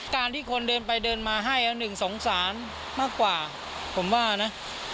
การที่คนเดินไปเดินมาให้หนึ่งสงสารมากกว่าผมว่านะ